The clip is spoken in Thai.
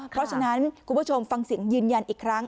เพราะฉะนั้นคุณผู้ชมฟังเสียงยืนยันอีกครั้ง